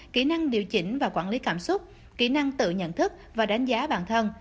kỹ năng điều chỉnh và quản lý cảm xúc kỹ năng tự nhận thức và đánh giá bản thân